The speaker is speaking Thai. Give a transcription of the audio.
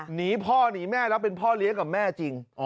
หนีพ่อหนีแม่แล้วเป็นพ่อเลี้ยงกับแม่จริง